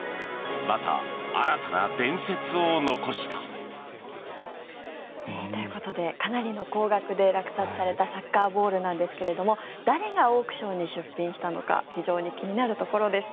また新たな伝説を残した。ということでかなりの高額で落札されたサッカーボールなんですが誰がオークションに出品したのか非常に気になるところです。